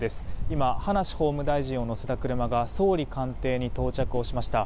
今、葉梨法務大臣を乗せた車が総理官邸に到着をしました。